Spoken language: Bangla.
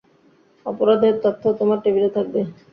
অপরাদের তথ্য তোমার টেবিলে থাকবে।